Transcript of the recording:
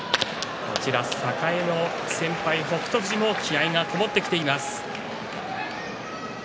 栄の先輩、北勝富士も気合いがこもってきています。